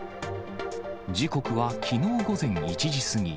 時刻はきのう午前１時過ぎ。